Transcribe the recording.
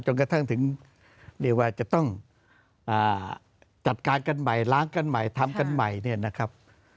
กระทั่งถึงเรียกว่าจะต้องจัดการกันใหม่ล้างกันใหม่ทำกันใหม่เนี่ยนะครับ